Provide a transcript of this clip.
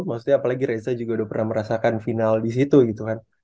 maksudnya apalagi reza juga udah pernah merasakan final di situ gitu kan